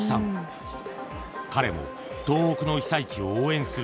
彼も東北の被災地を応援する